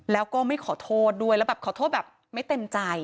แล้วก็ไม่ขอโทษด้วยแล้วแบบขอโทษแบบไม่เต็มใจ